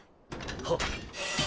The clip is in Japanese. はっ。